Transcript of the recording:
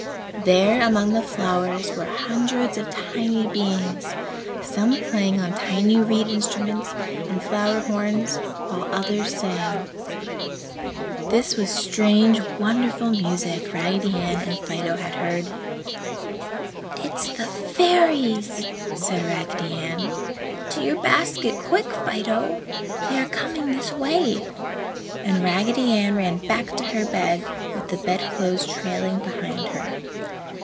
There among the flowers were hundreds of tiny beings, some playing on tiny reed instruments and flower horns, while others sang. This was the strange, wonderful music Raggedy and Fido had heard. "It's the Fairies!" said Raggedy Ann. "To your basket quick, Fido! They are coming this way!" And Raggedy Ann ran back to her bed, with the bed clothes trailing behind her.